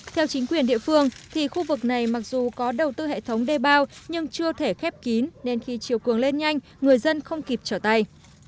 theo chính quyền địa phương thì khu vực này mặc dù có đầu tư hệ thống đê bao nhưng chưa thể khép kín nên khi chiều cường lên nhanh người dân không kịp trở tay